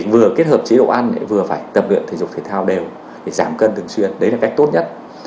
vừa kết hợp chế độ ăn vừa phải tập luyện thể dục thể thao đều phải giảm cân thường xuyên đấy là cách tốt nhất